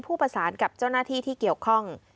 ประสานกับเจ้าหน้าที่ที่เกี่ยวข้อง